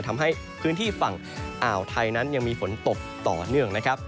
ทำให้พื้นที่ฝั่งอ่าวไทยนั้นยังมีฝนตกต่อเนื่องนะครับ